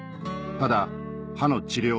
ただ歯の治療